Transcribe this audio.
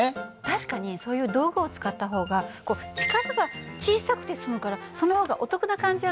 確かにそういう道具を使った方が力が小さくて済むからその方がお得な感じはするわよね。